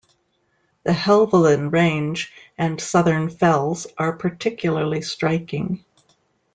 The Helvellyn range and Southern Fells are particularly striking.